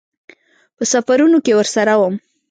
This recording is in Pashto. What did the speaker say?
په سفرونو کې ورسره وم.